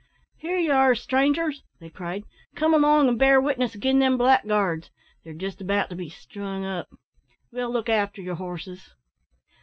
"Here you are, strangers," they cried, "come along and bear witness agin' them blackguards; they're just about to be strung up. We'll look after your horses."